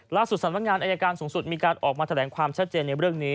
สำนักงานอายการสูงสุดมีการออกมาแถลงความชัดเจนในเรื่องนี้